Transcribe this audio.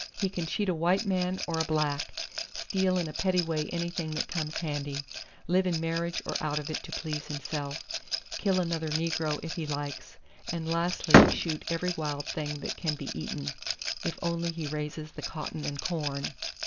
He can cheat a white man or a black, steal in a petty way anything that comes handy, live in marriage or out of it to please himself, kill another negro if he likes, and lastly shoot every wild thing that can be eaten, if only he raises the cotton and the corn.